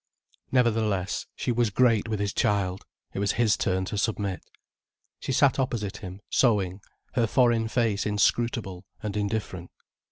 Nevertheless she was great with his child, it was his turn to submit. She sat opposite him, sewing, her foreign face inscrutable and indifferent.